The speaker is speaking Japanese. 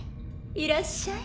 いらっしゃい。